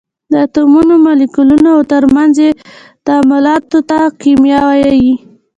د اتومونو، مالیکولونو او تر منځ یې تعاملاتو ته کېمیا وایي.